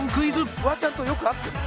フワちゃんとよく会ってる。